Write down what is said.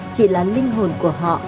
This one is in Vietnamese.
chỉ là linh hồn của họ